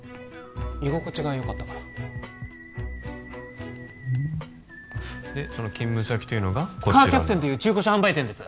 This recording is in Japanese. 居心地がよかったからでその勤務先というのがカーキャプテンという中古車販売店です